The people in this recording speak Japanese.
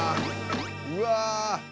うわ！